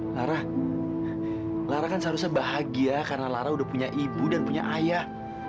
lara lara kan seharusnya bahagia karena lara udah punya ibu dan punya ayah